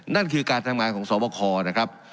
นั่นคือการทำงานของสวบคนะครับ